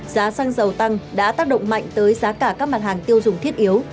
giá xăng dầu tăng đã tác động mạnh tới giá cả các mặt hàng tiêu dùng thiết yếu